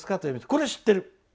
これは知ってる！